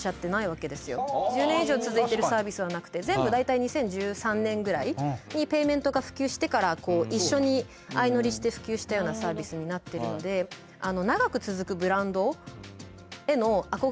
１０年以上続いてるサービスはなくて全部大体２０１３年ぐらいにペイメントが普及してから一緒に相乗りして普及したようなサービスになってるので尾原さん